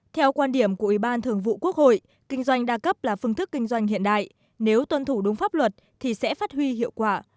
theo quan điểm của ủy ban thường vụ quốc hội kinh doanh đa cấp là phương thức kinh doanh hiện đại nếu tuân thủ đúng pháp luật thì sẽ phát huy hiệu quả